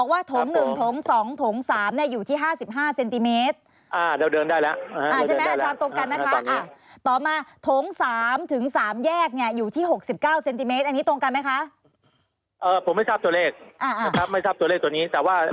ว่าเดินได้แล้ว